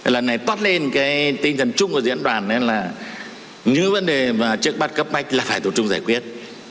lần này tót lên cái tinh thần chung của diễn đàn là như vấn đề trước mắt cấp bách là phải tập trung giải quyết